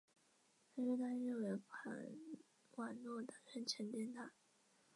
她说她认为卡瓦诺打算强奸她。